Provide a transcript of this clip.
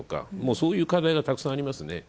そういう課題がたくさんありますね。